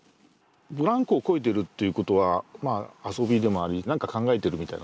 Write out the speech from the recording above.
ブランコをこいでるということは遊びでもあり何か考えてるみたいなね。